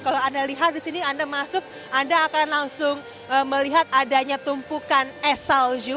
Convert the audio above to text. kalau anda lihat di sini anda masuk anda akan langsung melihat adanya tumpukan es salju